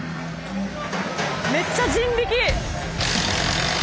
めっちゃ人力！